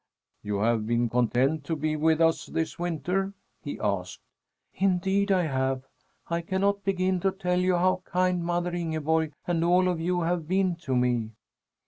"You have been content to be with us this winter?" he asked. "Indeed I have! I cannot begin to tell you how kind mother Ingeborg and all of you have been to me!"